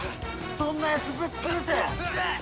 そんなやつぶっ潰せ！